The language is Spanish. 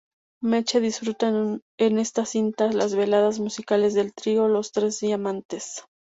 Meche disfruta en esta cinta las veladas musicales del trío Los Tres Diamantes.